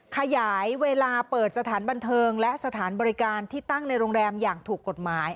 ขยายเวลาเปิดสถานบันเทิงและสถานบริการที่ตั้งในโรงแรมอย่างถูกกฎหมาย